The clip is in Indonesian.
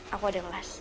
aku ada kelas